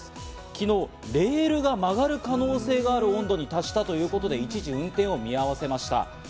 昨日、レールが曲がる可能性がある温度に達したということで一時運転を見合わせました。